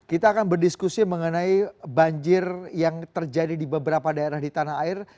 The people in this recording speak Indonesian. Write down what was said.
kita akan berdiskusi mengenai banjir yang terjadi di beberapa daerah di tanah air